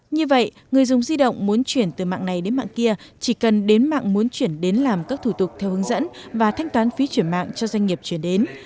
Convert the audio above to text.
như vậy người dùng di động muốn chuyển từ mạng này đến mạng kia chỉ cần đến mạng muốn chuyển đến làm các thủ tục theo hướng dẫn và thanh toán phí chuyển mạng cho doanh nghiệp chuyển đến